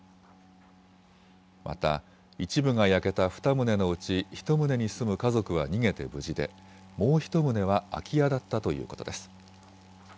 また、一部が焼けた２棟のうち１棟に住む家族は逃げて無事でもう１棟は空き家だったということです。